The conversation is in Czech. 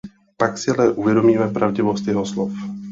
Pak si ale uvědomí pravdivost jeho slov.